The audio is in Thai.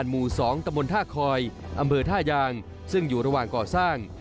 อำเภอท่ายางซึ่งอยู่ระหว่างก่อสร้าง